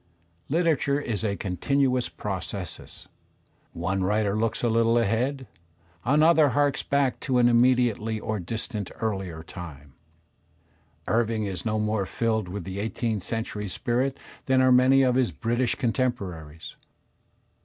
Literature is a continuous processus; one writer looks a little ahead, another harks back to an inunedi ately or distantly earUer time. Irving is no more filled with the eighteenth century spirit than are many of his British contemporaries.